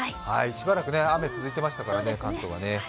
しばらく雨続いてましたから関東はね。